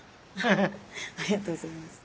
ありがとうございます。